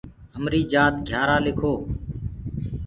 همريٚ جآت گھِيآرآ لِکو۔